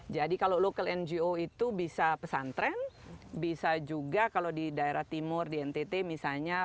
jadi kalau local ngo itu bisa pesantren bisa juga kalau di daerah timur di ntt misalnya